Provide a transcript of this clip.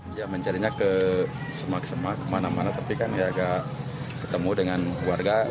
dia mencarinya ke semak semak ke mana mana tapi kan dia agak ketemu dengan warga